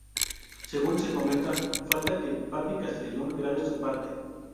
Según se comenta falta que Papi Castrillón grabe su parte.